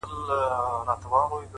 • ډېر پخوا په ډېرو لیري زمانو کي,